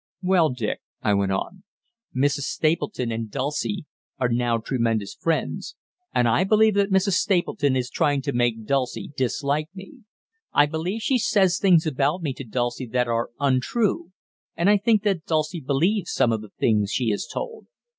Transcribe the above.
"Well, Dick," I went on, "Mrs. Stapleton and Dulcie are now tremendous friends, and I believe that Mrs. Stapleton is trying to make Dulcie dislike me; I believe she says things about me to Dulcie that are untrue, and I think that Dulcie believes some of the things she is told."